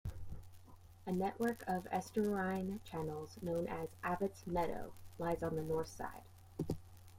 A network of estuarine channels known as Abbotts Meadow lies on the north side.